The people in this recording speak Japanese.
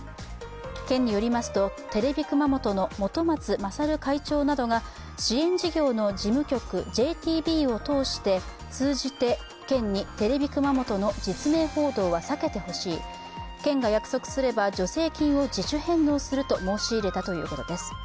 県によりますと、テレビ熊本の本松賢会長などが支援事業の事務局、ＪＴＢを通して県に、テレビ熊本の実名報道は避けてほしい、県が約束すれば、助成金を自主返納すると申し入れたということです。